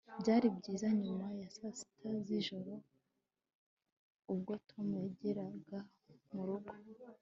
byari byiza nyuma ya saa sita z'ijoro ubwo tom yageraga murugo